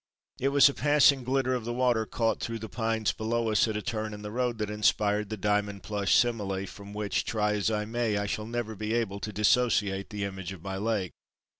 It was a passing glitter of the water caught through the pines below us at a turn in the road that inspired the Diamond plush simile from which try as I may, I shall never be able to dissociate the image of my Lake.